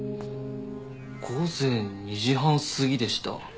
午前２時半過ぎでした。